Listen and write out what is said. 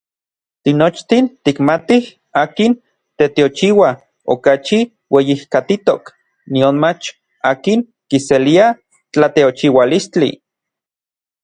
Tinochtin tikmatij akin teteochiua okachi ueyijkatitok nionmach akin kiselia tlateochiualistli.